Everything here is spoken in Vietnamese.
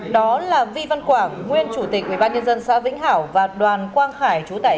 đó là vi văn quảng nguyên chủ tịch ubnd xã vĩnh hảo và đoàn quang hải